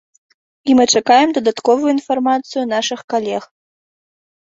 І мы чакаем дадатковую інфармацыю нашых калег.